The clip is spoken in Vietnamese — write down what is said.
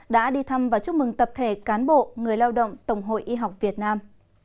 đã đi thăm và chúc mừng tập thể cán bộ người lao động tổng hội y học việt nam